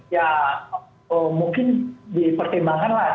ya mungkin dipertimbangkan lah